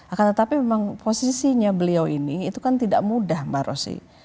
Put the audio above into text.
akan tetapi memang posisinya beliau ini itu kan tidak mudah mbak rosy